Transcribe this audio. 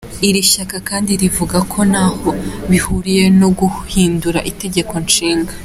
Iri shyaka kandi rivuga ko ntaho bihuriye no guhindura itegeko nshinga.